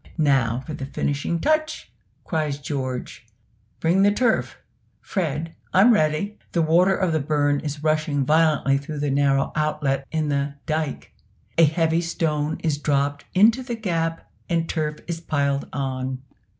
"Now for the finishing touch!" cries George; "bring the turf; Fred I'm ready!" The water of the burn is rushing violently through the narrow outlet in the "dike." A heavy stone is dropped into the gap, and turf is piled on.